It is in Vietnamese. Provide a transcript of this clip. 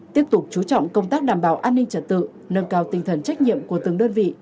tiếp tục chú trọng công tác đảm bảo an ninh trật tự nâng cao tinh thần trách nhiệm của từng đơn vị